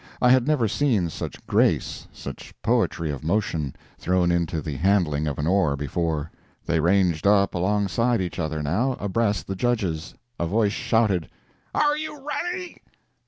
I had never seen such grace, such poetry of motion, thrown into the handling of an oar before. They ranged up alongside each other, now, abreast the judges. A voice shouted "Are you ready?"